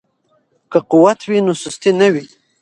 که قوت وي نو سستي نه وي.